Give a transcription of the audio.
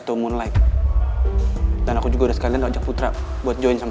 tapi apa ini pas poin poin tahu